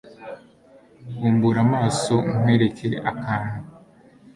bumbura amaso nkwereke akantu